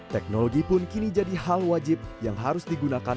teknologi pun kini jadi hal wajib yang harus digunakan